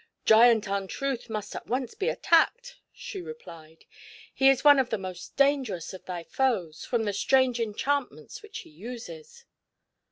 " Giant Untruth must at once be attacked," she re plied. " He is one of the most dangerous of thy foes, from the strange enchantments which he uses.